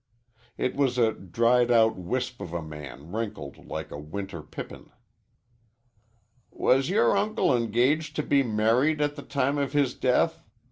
He was a dried out wisp of a man wrinkled like a winter pippin. "Was your uncle engaged to be married at the time of his death?"